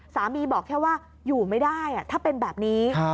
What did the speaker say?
บอกแค่ว่าอยู่ไม่ได้ถ้าเป็นแบบนี้